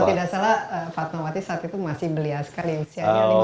kalau tidak salah panmawati saat itu masih belia sekali usianya